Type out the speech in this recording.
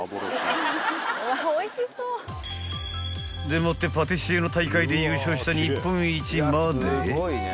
でもってパティシエの大会で優勝した日本一まで］